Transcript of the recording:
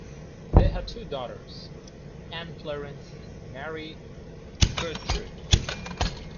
They had two daughters - Ann Florence and Mary Gertrude.